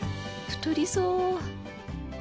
太りそう